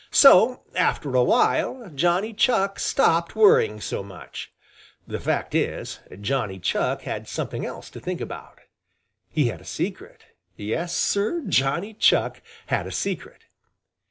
So after a while Johnny Chuck stopped worrying so much. The fact is Johnny Chuck had something else to think about. He had a secret. Yes, Sir, Johnny Chuck had a secret.